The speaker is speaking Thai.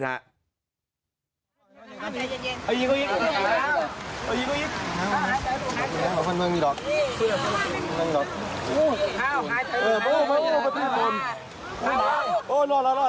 เอาหยีครับเอาเชี่ยว